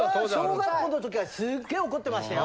小学校のときはすっげえ怒ってましたよ。